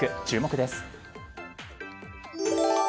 注目です。